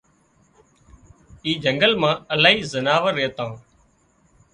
اي جنڳل مان الاهي زناور ريتان